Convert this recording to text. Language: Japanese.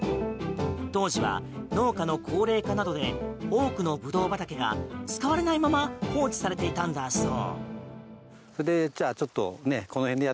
当時は農家の高齢化などで多くのブドウ畑が使われないまま放置されていたんだそう。